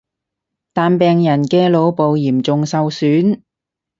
但病人嘅腦部嚴重受損